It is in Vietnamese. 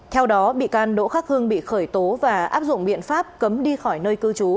theo đó bị can đỗ khắc hương bị khởi tố và áp dụng biện pháp cấm đi khỏi nơi cư trú